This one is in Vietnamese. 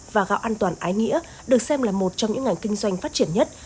và gạo an toàn ái nghĩa được xem là một trong những ngành kinh doanh phát triển nhất